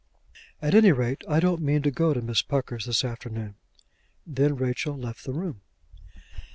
"At any rate I don't mean to go to Miss Pucker's this afternoon." Then Rachel left the room.